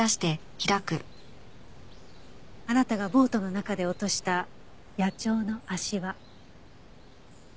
あなたがボートの中で落とした野鳥の足環。